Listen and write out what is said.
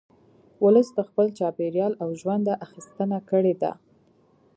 ولس د خپل چاپېریال او ژونده اخیستنه کړې ده